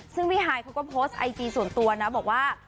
ซึ่งพี่ฮายเขาก็โพสต์ไอจีส่วนตัวนะบอกว่า